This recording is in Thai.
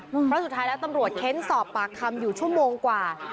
เพราะสุดท้ายแล้วตำรวจเค้นสอบปากคำอยู่ชั่วโมงกว่า